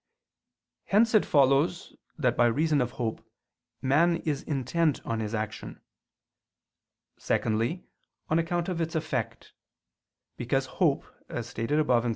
Hence it follows that by reason of hope man is intent on his action. Secondly, on account of its effect. Because hope, as stated above (Q.